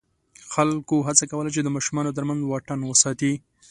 خلکو هڅه کوله چې د ماشومانو تر منځ واټن وساتي.